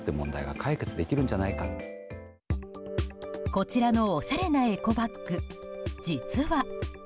こちらのおしゃれなエコバッグ実は。